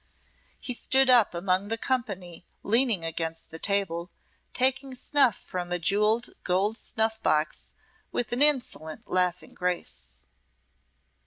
He stood up among the company leaning against the table, taking snuff from a jewelled gold snuff box with an insolent, laughing grace.